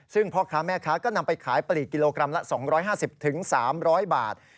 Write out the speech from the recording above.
ซึ่งพ่อค้าแม่ค้าก็นำไปขายปลีกกิโลกรัมละ๒๕๐๓๐๐บาท